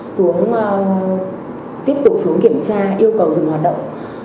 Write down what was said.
xuống tiếp tục xuống kiểm tra yêu cầu dừng hoạt động